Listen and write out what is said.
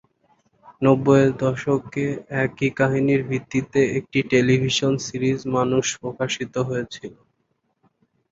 নব্বইয়ের দশকে, একই কাহিনীর ভিত্তিতে একটি টেলিভিশন সিরিজ মানুষ প্রকাশিত হয়েছিল।